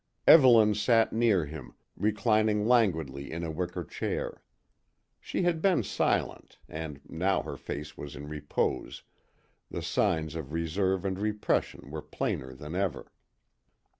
Evelyn sat near him, reclining languidly in a wicker chair. She had been silent and, now her face was in repose, the signs of reserve and repression were plainer than ever.